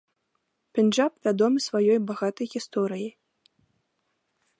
Пенджаб вядомы сваёй багатай гісторыяй.